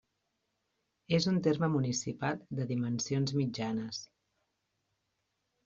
És un terme municipal de dimensions mitjanes.